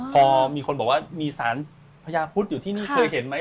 พอมีคนบอกว่ามีสารพญาพุทธอยู่ที่นี่เคยเห็นไหม